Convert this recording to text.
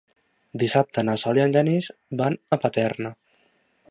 Dissabte na Sol i en Genís van a Paterna.